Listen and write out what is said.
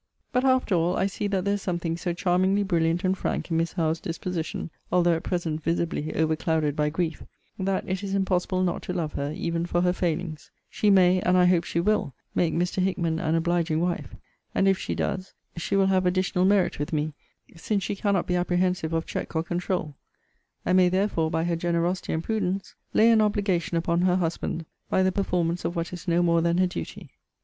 But after all, I see that there is something so charmingly brilliant and frank in Miss Howe's disposition, although at present visibly overclouded by grief, that it is impossible not to love her, even for her failings. She may, and I hope she will, make Mr. Hickman an obliging wife. And if she does, she will have additional merit with me; since she cannot be apprehensive of check or controul; and may therefore, by her generosity and prudence, lay an obligation upon her husband, by the performance of what is no more than her duty.